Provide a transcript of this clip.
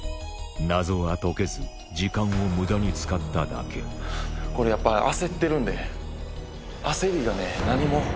謎は解けず時間を無駄に使っただけこれやっぱり焦ってるんで焦りがね何も。